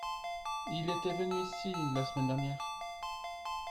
Il était venu ici la semaine dernière.